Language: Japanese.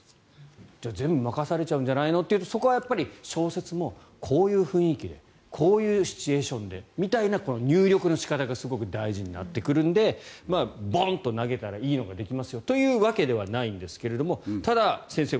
じゃあ全部任されちゃうんじゃないの？というと小説もこういう雰囲気でこういうシチュエーションでみたいな入力の仕方がすごく大事になってくるのでボンと投げたらいいのができますよというわけではないですがただ、先生